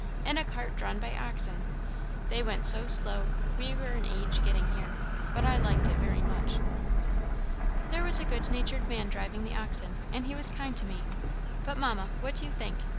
In a cart drawn by oxen! They went so slow, we were an age getting here; but I liked it very much. There was a good natured man driving the oxen, and he was kind to me; but, Mamma, what do you think?